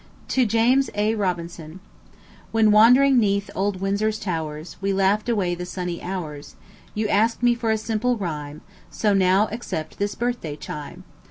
TO JAMES A. ROBINSON. When wandering neath old Windsor's towers We laughed away the sunny hours, You asked me for a simple rhyme; So now accept this birthday chime.